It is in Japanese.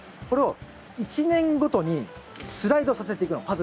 これを１年ごとにスライドさせていくの。